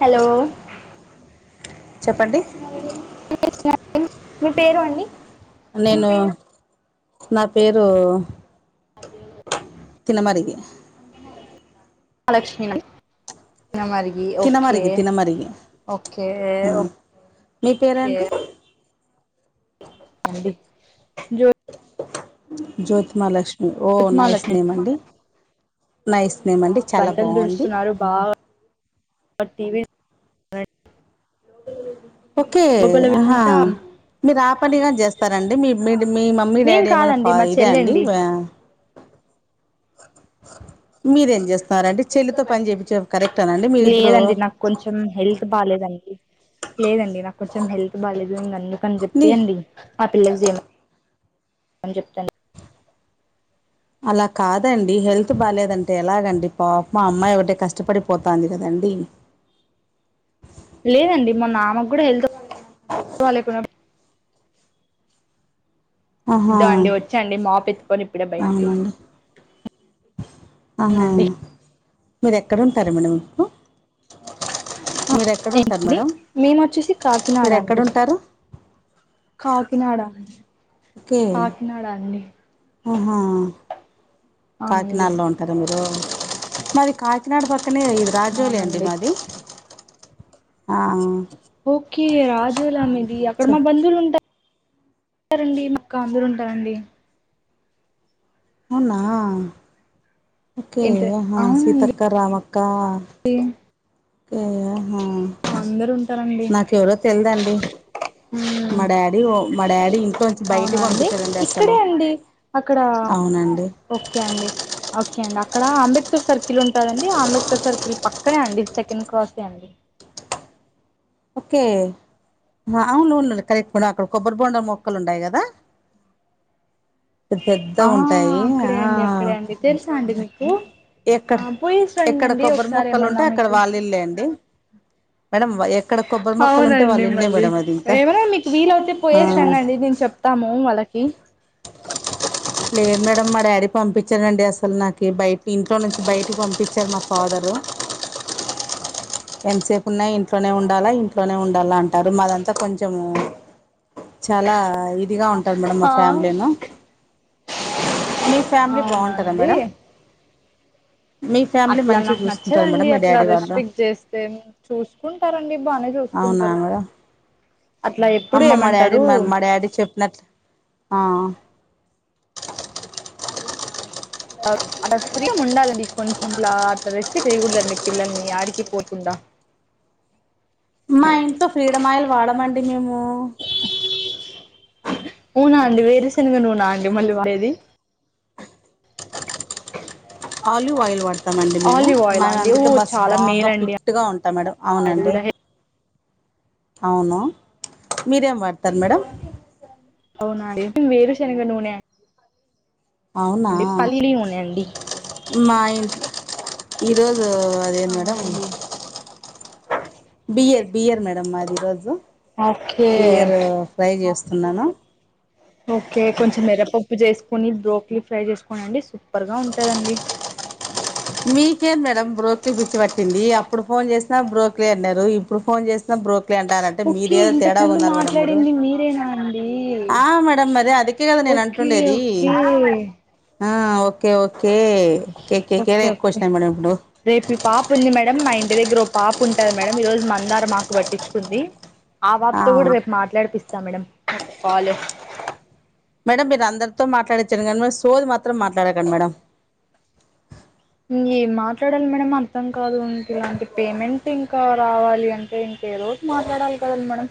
Hello చెప్పండి మీ పేరు అండి నేను నా పేరు తినమరిగి లక్ష్మీ తిన మరికి ఓకే తినమరిగి తినమరిగి ఓకే మీ ఒకే పేరేంటి అండి జో జ్యోతిమలక్ష్మి ఓ నైస్ జ్యోతిమాలక్ష్మి నేమ్ అండి నైస్ నేమ్ అండి చాలా బండలు బాగుంది దుడుస్తున్నారు బాగా టీవీ ఓకే లోపల ఆహా వింతా మీరు ఆ పనిగాని చేస్తారండి మీ మీ మీ మమ్మీ మేం డాడీ ఏమైనా కాదండి ఫ మా ఇదా అండి చెల్లండి మీరేం చేస్తారండి చెల్లితో పని చెపిచ్చేది కరెక్టానండి మీరిద్దరు లేదండి నాకు కొంచెం హెల్త్ బాలేదండి లేదండి నాకు కొంచెం హెల్త్ బాలేదు ఇంక అందు కని నీ చెప్పియండి ఆ పిల్లని చేమని చెప్తండి అలా కాదండి హెల్త్ బాలేదంటే ఎలాగండి పాపము ఆ అమ్మాయి ఒకటే కష్టపడిపోతుంది కదండి లేదండి మొన్న ఆమెకు కూడా హెల్త్ బాలే ఆహా దండి వచ్చాండి మాపు ఎత్తుకొని ఇప్పుడే బయటికి అవునండి ఆహా అవునండి మీరు ఎక్కడ ఉంటారు మేడం ఇప్పుడు మీరు ఏ ఎక్కడుంటారు నేనండి మేడం మేము వచ్చేసి కాకినాడ మీరు అండి ఎక్కడుంటారు కాకినాడ ఓకే కాకినాడ అండి ఆహా అవునండి కాకినాడలో ఉన్ టారా మీరు మాది కాకినాడ పక్కనే ఇ రాజోలి అండి అవునండి మాది ఆ ఓకే రాజులాం మీది అక్కడ చె మా బంధువులు ఉంటా టారండి మక్క అందరు ఉంటారండి అవునా ఓకే ఇంతే హా సీతక్క, రామక్క ఏ ఏ హా అందరు ఉంటారండి ఎవరో తెలిదండి మ్మ్ మా డాడీ వో మా డాడీ ఇంట్లోంచి అవునా బయటకి అండి పంపించాడండి అసలు ఇక్కడే అండి అక్కడ అవునండి ఓకే అండి ఓకే అండి అక్కడ అంబేద్కర్ సర్కిల్ ఉంటాదండి అంబేద్కర్ సర్కిల్ పక్కనే అండి సెకండ్ క్రాసే అండి ఓకే అవును ఉండు ఉండు కరెక్ట్ అక్కడ కొబ్బరి బొండం మొక్కలు ఉండాయి కదా పెద్ద పెద్ద ఆ ఉంటాయి ఆ అక్కడే అండి అక్కడే అండి తెలుసా అండి మీకు ఎక్కడ ఆ పోయేసి రండి ఎక్కడ అండి కొబ్బరి ఒకసారి మొక్కలు ఉంటే ఏమన్నా అక్కడ మీకి వాళ్ళ ఇల్లే అండి మేడం వయా అవునండి మళ్ళీ ఇంకా ఏమన్నా మీకు వీలవుతే ఆ పోయేసి రండి అండి నేను చెప్ తాము వాళ్ళకి లేదు మేడం మా డాడీ పంపించండి అసలు నాకు బయట ఇంట్లో నుంచి బయటికి పంపించారు మాకు ఫాదరు ఎంతసేపు ఉన్నా ఇంట్లోనే ఉండాలా ఇంట్లోనే ఉండాలా అన్ టరు మాదంతా కొంచెం చాలా ఇదిగా ఉంటాది మేడం మా ఆ ఫ్యామిలీను మీ ఫ్యామిలీ అవునా బాగుంటదా అండి మేడం మీ ఫ్యామిలీ అట్లా మంచిగా నాకు చూసుకుంటారు మేడం నచ్చదండి మీ అట్లా డాడీ వాళ్ళు రెస్ట్రిక్ట్ చేస్తే చూసుకుంటారండి బానే అవునా చూసుకుంటారు మేడం అట్లా ఎప్పుడు అమ్మ మా డాడీ ఏమంటారు మా మా డాడీ చెప్పినట్లు ఆ అలా ఫ్రీ ఉండాలండి కొంచెం అట్లా అట్ రెస్ట్ చేయకూడదండి పిల్లల్ని యాడికి పోకుండా మా ఇంట్లో ఫ్రీడమ్ ఆయిల్ వాడమండి మేము అవునా అండి వేరే సినిమా నునా అండి మళ్ళీ వె ఆలివ్ ఆయిల్ వాడతామండి మేము ఆలివ్ ఆయిల్ మేము అండి ఒ అందుకే బాగా చాలా స్ట్రాంగ్గా మేలండి ఫిట్గా ఉంటాం మేడం అది అవునండి దహె అ అవును మీరేం వాడతారు మేడం అవునండి వేరు శనగ నూనె అవునా అండి పల్లి నూనె అండి మా ఇంట్లో ఈరోజు అదేంది మేడం అవునండి బియర్ బియర్ మేడం మాది ఈరోజు ఓకే బియరు ఫ్రై చేస్తున్నాను ఓకే కొంచెం మిరపప్పు చేసుకుని బ్రోక్లీ ఫ్రై చేసుకోని అండి సూపర్గా ఉంటదండి మీకేం మేడం బ్రోక్లి పిచ్చి పట్టింది అప్పుడు ఫోన్ చేసినా బ్రోక్లి అన్నారు ఇప్పుడు ఫోన్ చేసినా బ్రోక్ అన్నారంటే ఓకే మీదేదో ఇంతకు తేడా ముందు ఉన్నారు మేడం మాట్లాడింది మీరేనా అండి ఆ మేడం మరి అది దే కదా నేను ఓకే అంటుండేది ఓకే ఆ ఓకే ఓకే కే కేకే ఓకే ఎక్కువ ఓకే వచ్చినాయి మేడం రేపు ఈ పాప ఉంది మేడం మా ఇంటి దగ్గర పాప ఉంటారు మేడం ఈ రోజు మందార మాకు పట్టించుకుంది ఆ పాపతో కూడా రేపు మాట్లాడిపిస్తా మేడం కాలే మేడం మీరు అందరితో మాట్డడిచ్చారు కానీ సోది మాత్రం మాట్లాడకండి మేడం ఏం మాట్లాడాలి మేడం అర్థం కాదు ఇంక ఇలాంటి పేమెంట్ ఇంకా రావాలి అంటే ఇంకేదో మాట్లాడాలి కదండి మేడం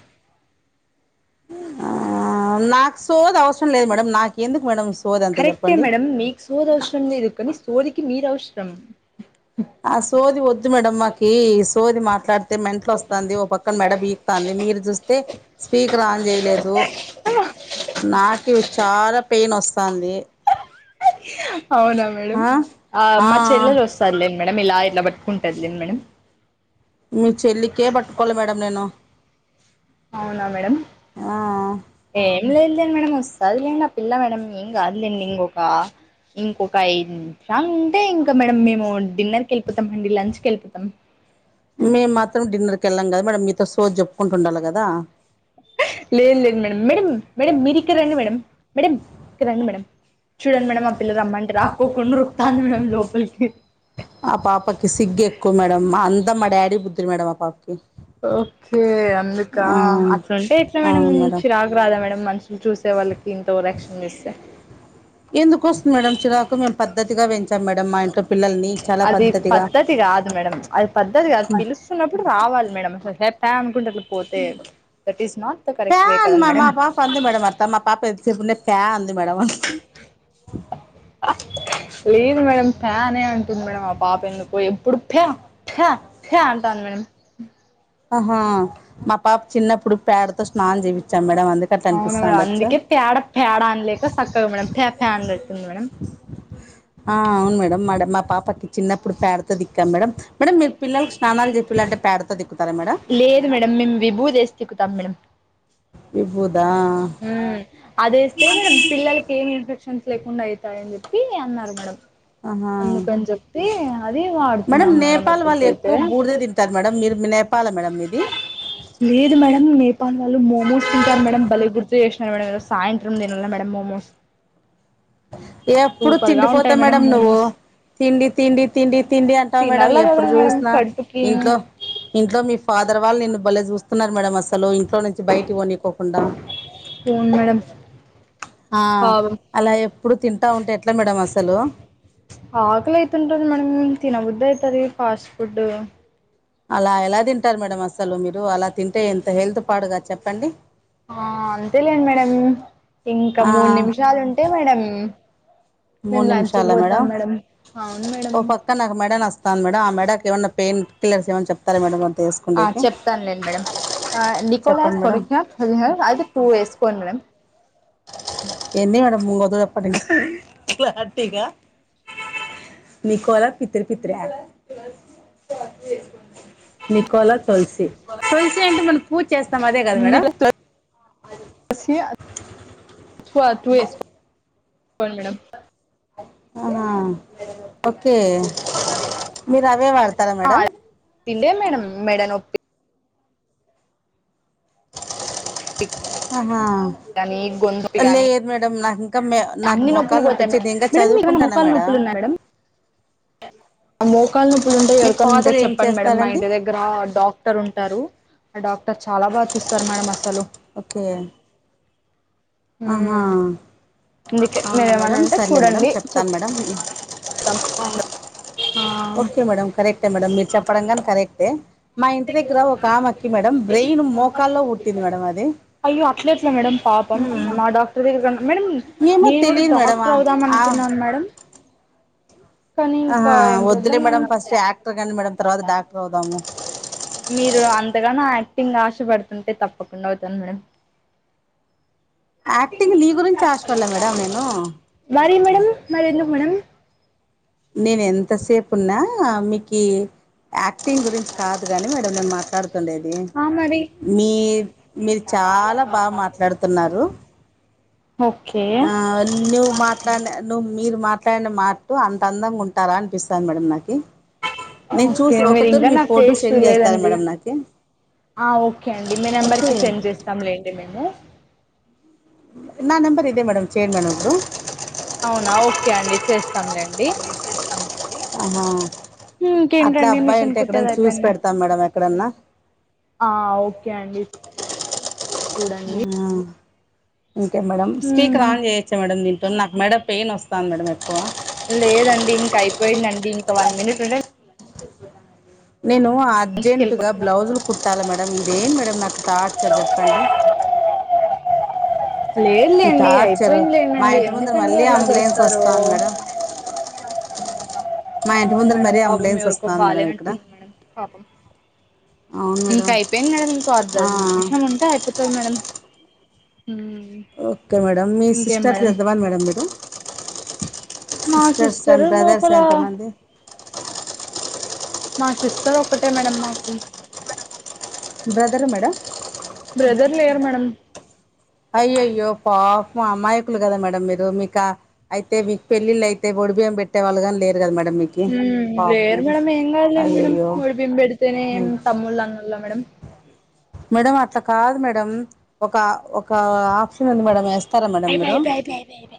నాకు సోది అవసరం లేదు మేడం నాకు ఎందుకు మేడం సోది అంత చెప్పండి సోదవసరం లేదు కాని సోదికి మీరు అవసరం ఆ సోది వద్దు మేడం మాకి ఈ సోది మాట్లాడితే మెంటల్ వస్తాంది ఓ పక్కన మేడం ఈ తాంది మీరు చూస్తే స్పీకర్ ఆన్ జేయలేదు నాకు చాలా పెయిన్ వస్తాంది అవునా మేడం ఆ ఆ మా చెల్లెలు వస్తాలే మేడం ఇలా ఇట్ల పట్టుకుంటాదిలే మేడం మీ చెల్లికే పట్టుకోవాలి మేడం నేను అవునా మేడం ఆ ఏం లేదులే మేడం వస్తాంది లేండి ఆ పిల్ల మేడం ఏం కాదులేండి ఇంకొక ఇంకొక ఐదు నిమిషాలు ఉంటే ఇంకా మేడం మేము డిన్నర్ ఎళ్ళిపోతమండి లంచ్కి ఎళ్ళిపోతం కెళ్ళం కదా మేడం మీతో సోది జెప్పుకుంట ఉండాలి కదా లేదు లేదు మేడం మేడం మేడం మీరు ఇక్కడ రండి మేడం మేడం ఇక్కడ రండి మేడం చూడండి మేడం ఆ పిల్లలు రమ్మంటే రాక్కొకుండా రుక్తాంది మేడం లోపలికి ఆ పాపకి సిగ్గు ఎక్కువ మేడం అంతా మా డాడీ బుద్ధులు మేడం ఆ పాపకి ఓకే అందుక ఆ అట్లుంటే ఎట్లా మేడం చిరాకు రాదా మేడం మంచి చూసే వాళ్ళకి ఇంత ఓవర్ యాక్షన్ చేస్తే ఎందుకు వస్తుంది మేడం చిరాకు మేము పద్ధతిగా పెంచాం మేడం మా ఇంట్లో పిల్లల్ని చాలా అది పద్ధతిగా పద్ధతి కాదు మేడం అది పద్ధతి కాదు పిలుస్ ప్పుడు రావాలి మేడం అసలు తే త్తే అనుకుంట ఎట్ల పోతే that is not the correct way fan కదండి మా మేడం మా పాప అంది మేడం అత్త మా పాప ఎంతసేపునే పే అంది మేడం లేదు మేడం పే అనే అంటుంది మేడం ఆ పాప ఎందుకో ఎ ఉడ్ పే పే పే అంటాను మేడం ఆహా మా పాప చిన్నప్పుడు పేడతో స్నానం చేపించాం మేడం అంద అవునా మేడం అందుకే పేడ పేడ అనలేక చక్కగా మేడం ప్యా అన్ చేప్తుంది మేడం ఆ అవును మేడం మ మా పాపకి చిన్నప్పుడు పేడతో తిక్కమ్ మేడం మీరు పిల్లలకు స్నానాలు చెప్పిలంటే పేడతో దిక్కుతారా మేడం లేదు మేడం మేము విభూదేసి తిక్కుతాం మేడం విబుదా మ్ అదేస్తే మేడం పిల్లలకి ఏమి ఇన్ఫెక్షన్స్ లేకుండా అవుతాయని చెప్పి అన్నారు మేడం ఆహా అందుకని చెప్పి అది మేడం వాడుతున్నాం నేపాల్ వాళ్ళు ఇప్పుటికైతే ఎక్కువ బూర్దే తింటారు మేడం మీరు నే పాల మేడం మీది లేదు మేడం నేపాల్ వాల్లు మోమోస్ తింటారు మేడం బలే గుర్తు చేస్సిన్నారు మేడం ఈ సాయంత్రం తినలే మేడం మోమోస్ ఎప్పుడు సూపర్ గా తిండిపోతె ఉంటాయి మేడం నువ్వు మోమోస్ తిండి తిండి తిండి తిండి అంటాం మేడం తినాల కదా ఎప్పుడు మేడం చూసిన కడుపుకి ఇంట్లో ఇంట్లో మీ ఫాదర్ వాళ్ళు నిన్న బలే చూస్తున్నారు మేడం అసలు ఇంట్లో నుంచి బయటికి పోనికోకుండా అవును మేడం ఆ పాపం అలా ఎప్పుడు తింటా ఉంటే ఎట్లా మేడం అసలు ఆకలి అయితుంటుంది మేడం తినబుద్దయితది ఫాస్ట్ ఫుడ్ అలా ఎలా తింటారు మేడమ్ అసలు మీరు అలా తింటే ఎంత హెల్త్ పాడుగాద్ చెప్పండి ఆ అంతేలెండి మేడం ఇంకా ఆ మూడు నిమిషాలు ఉంటే మేడం మూడు మేము లంచ్కు నిమిషాల పోతాం మేడం అవును మేడం మేడనస్ స్తును మేడం ఆ మేడకు ఏమన్న పెయిన్ కల్లర్స్ ఏమన్నా చెప్తర మేడం ఆ వేసుకుండేకి చెప్తానులేను మేడం నికోలాస్ చెప్పండి మేడం పొడకిిన అది టూ వేసుకొండి మేడం ఎన్ని మేడం ముంగ్ క్లరిటిగ మీకోలా పిత్రృ పిత్ర నికోలస్ తులసి తులసి అంటే మనం పూజ చేస్తాం అదే కదా మేడం స్సి [unintelligible] మేడం అహా ఓకే మీరు అదే వాడుతారా మేడం తిన్లే మేడం మేడనోప్పి అహా కాని గొంతు గాని మేడం నాకు ఇంకా మే నాకు అన్ని నొప్పులు మోకాలు నొప్పి పోతాయి వచ్చి నేను ఇంకా మేడం ఏమన్న చదువుకుంటానా మొకాళ్ళ నొప్పులు ఉన్నయ మేడం మోకాళ్ నొప్పులు ఉంటే మీ ఎవరికైనా ఉంటే ఫాదర్ ఏం చెప్పండి మేడం మా చేస్తారండి ఇంటి దగ్ దగ్గర డాక్టర్ ఉంటారు ఆ డాక్టర్ చాలా బాగ్ చూస్తారు మేడం అసలు ఓకే ఆహా మ్ అందుకే అవునా మీరేమైన్నా మేడం ఉంటే సర్లే మేడం చూడండి చెప్ చెప్తాను మేడం తప్ కుండ్ ఓకే మేడం కరెక్టే మేడం మీరు చెప్పడం కాని కరెక్టే మా ఇంటి దగ్గర ఒకమె ఒచ్చి మేడం బ్రెయిన్ మోకాల్లో పుట్టింది మేడం అది అయ్యో అట్లెట్ల మేడం పాపం నా డాక్టర్ దగ్గర మేడం ఏమో నిను కూడా తెలియదు డాక్ మేడం క్టర్ అవుదాం ఆ అనుకున్నాను మేడం కానీ ఆహా ఇంకా ఏం వద్దులే చేద్దాం మేడం ఫస్ట్ యాక్టర్ కండి మేడం తర్వాత డాక్టర్ అవుదాము మీరు అంతగాను యాక్టింగ్ ఆశపడుతుంటే తప్పకుండా అవుతాను మేడం యాక్టింగ్ నీ గురించి ఆశపలే మేడం నేను మరి మేడం మరి ఎందుకు మేడం నేన్ ఎంతసేపున్నా మీకీ ఆక్టింగ్ గురించి కాదు గాని మేడం నేను మాట్లాడుతుండేది ఆ మరి మీ మీరు చాలా బా మాట్లాడుతున్నారు ఓకే ఆ న్యూ మ తాండ ను మీరు మాట్లాడిన మార్తు అంత అందంగా ఉంటారా అన్పిస్సంది మేడం నాకి నేన్ ఓకే చూసి మీరు ఒక తురు ఇంకా మీ నా ఫోటో ఫేస్ సెంన్ జేస్తారా చూడలేదండి మేడం నాకి ఆ ఓకే అండి మీ ఓకే నెంబర్కి సెండ్ జేస్తాం లేండి మేము నా నంబర్ ఇదే మేడం చేయన్ మేడం ఇప్పుడు అవునా ఓకే అండి చేస్తాంలేండి. ఆహా అట్లా ఇంకేంటండి అబ్బాయి మిషన్ అంటే కుట్టేది ఎక్కడనా చూసి అయిపోయిందా పెడ్తాం మేడం ఎక్కడన్నా ఆ ఓకే అండి చూడండి ఆ ఇంకే మేడంమ్ స్పీకర్ ఆన్ జేయచ్చ మేడం దీంతోన్ నాకు మేడ పెయిన్ ఒస్తాంది మేడం ఎక్కువ లేదండి ఇంక అయిపోయిందండి ఇంక వన్ మినిట్ ఉంటే నేను లంచ్కి అర్జెంటుగా వెళ్ళిపోత బ్లౌజులు కుట్టాలి మేడం ఇదేం మేడం నాకు టార్చర్ జెప్పండి. ఈ లేదులేండి టాచ్చారు మా అయిపోయిందిలేనండి ఇంటి ముందరా ఎందుకండి మళ్ళీ అలా అంబులెన్స్ చేస్తారు ఒస్తాంది మేడం మా ఇంటి అవును ముందర మేడంమ్ మరీ పాపం అంబులెన్స్ ఎవరికో వస్తుంది మేడం ఇక్కడ బాలేనట్టుంది మేడం పాపం అవును మేడం ఇంకా అయిపోయింది మేడం ఇంకో అద్ద ఆ, నిమ్షం ఉంటే అయిపోతే sir madam um okay madam మీ సిస్టర్స్ ఎంత మంది మేడం మీరు మా సిస్టర్స్ సిస్టర్ అండ్ బ్రదర్స్ లోపల ఎంత మంది. మా సిస్టర్ ఒకటే మేడం మాకు బ్రదరు మేడం బ్రదర్ లేరు మేడం అయ్యో అయ్యో పాపం అమాయకులు గాదా మేడం మీరు మీకా అయితే మీకు పెళ్ళిళ్ళు అయితే ఒడి బియ్యం పెట్టే వాళ్ళు గానీ లేరు గాదా మేడం మీకి పాపం అయ్యోయ్యో ఒడిబియ్యం బెడ్తేనెం తమ్ముళ్లు అన్నలా మేడం మేడం అట్లా కాదు మేడం ఒక ఒక ఆఫ్షన్ ఉంది మేడం వేస్త ఐపాయ్ ఐపాయ్ ఐపాయ్ పె పె